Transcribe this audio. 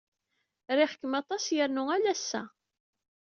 Riɣ-kem aṭas yernu ula ass-a.